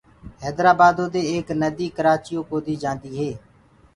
هيدرآبآدو دي ايڪ نديٚ ڪرآچيو ڪوديٚ جآنٚديٚ هي